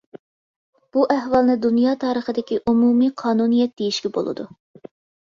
بۇ ئەھۋالنى دۇنيا تارىخىدىكى ئومۇمىي قانۇنىيەت دېيىشكە بولىدۇ.